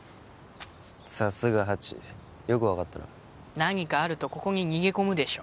さすがハチよく分かったな何かあるとここに逃げ込むでしょ？